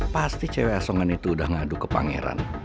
pasti cewek asongan itu udah ngadu ke pangeran